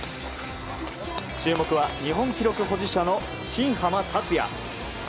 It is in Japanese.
注目は日本記録保持者の新濱立也。